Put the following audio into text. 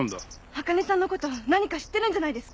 あかねさんのこと何か知ってるんじゃないですか？